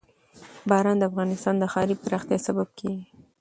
باران د افغانستان د ښاري پراختیا سبب کېږي.